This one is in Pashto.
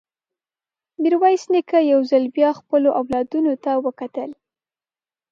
ميرويس نيکه يو ځل بيا خپلو اولادونو ته وکتل.